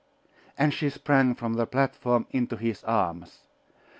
And she sprang from the platform into his arms....